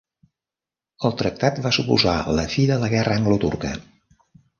El tractat va suposar la fi de la guerra anglo-turca.